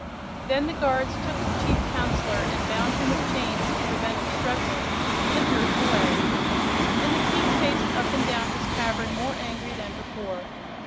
Then the guards took the Chief Counselor, and bound him with chains to prevent his struggling, and threw him away. And the King paced up and down his cavern more angry than before.